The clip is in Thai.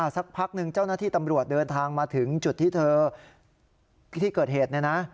สักพักหนึ่งเจ้าหน้าที่ตำรวจเดินทางมาถึงจุดที่เธอที่เกิดเหตุเนี่ยนะ